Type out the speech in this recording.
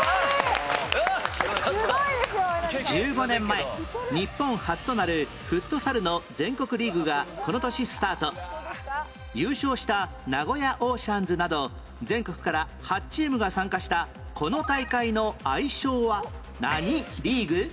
１５年前日本初となるフットサルの全国リーグがこの年スタート優勝した名古屋オーシャンズなど全国から８チームが参加したこの大会の愛称は何リーグ？